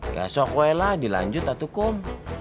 ya sok wailah dilanjut atu kum